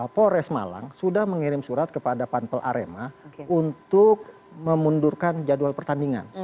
polres malang sudah mengirim surat kepada pampel arema untuk memundurkan jadwal pertandingan